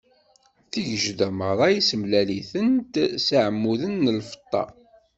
Tigejda meṛṛa yessemlal-itent s yeɛmuden n lfeṭṭa.